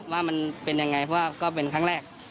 ว่ามันเป็นยังไงเพราะว่าก็เป็นครั้งแรก